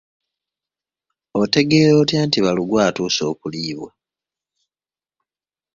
Otegeera otya nti balugu atuuse okuliibwa?